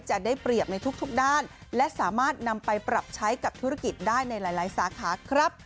จะได้เปรียบในทุกด้านและสามารถนำไปปรับใช้กับธุรกิจได้ในหลายสาขาครับ